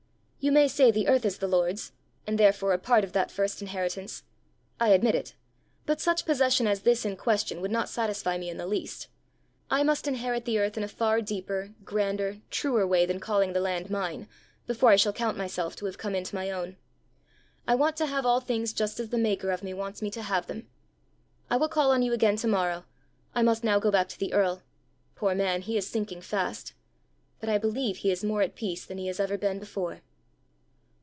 You may say the earth is the Lord's, and therefore a part of that first inheritance: I admit it; but such possession as this in question would not satisfy me in the least. I must inherit the earth in a far deeper, grander, truer way than calling the land mine, before I shall count myself to have come into my own. I want to have all things just as the maker of me wants me to have them. I will call on you again to morrow; I must now go back to the earl. Poor man, he is sinking fast! but I believe he is more at peace than he has ever been before!"